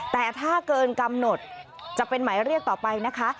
แต่ถ้าเกินกำหนดจะเป็นหมายเรียกต่อไปนะคะ